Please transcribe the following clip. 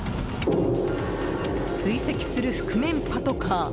追跡する覆面パトカー。